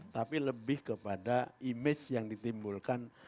tapi lebih kepada image yang ditimbulkan